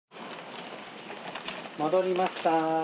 戻りました。